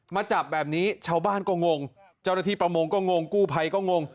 มาจับแบบนี้ชาวบ้านก็งงเจ้าหน้าที่ประมงก็งงกู้ภัยก็งง